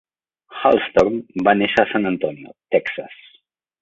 Hallstorm va néixer a San Antonio, Texas.